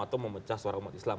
atau memecah suara umat islam